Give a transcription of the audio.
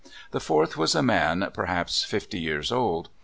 The fourth was a man perhaps tifty years old.